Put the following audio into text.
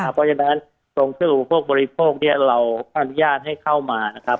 เพราะฉะนั้นตรงเครื่องอุปโภคบริโภคเนี่ยเราอนุญาตให้เข้ามานะครับ